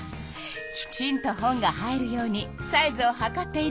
きちんと本が入るようにサイズをはかっているのね。